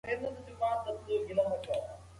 د حکومت کولو ډولونه په سیاست کي لوستل کیږي.